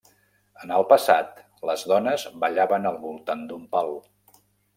En el passat, les dones ballaven al voltant d'un pal.